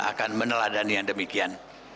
akan meneladani yang demikian